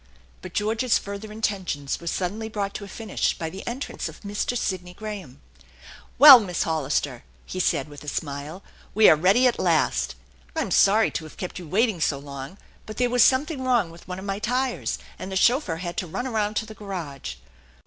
'' But George's further intentions were suddenly brought to a finish by the entrance of Mr. Sidney Graham. "Well, Miss Hollister," he said with a smile, "we are ready at last. I'm sorry to have kept you waiting so long; but there was something wrong with one of my tires, and the chauffeur had to run around to the garage.